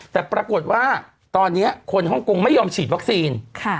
แต่ปรากฏว่าตอนนี้คนฮ่องกงไม่ยอมฉีดวัคซีน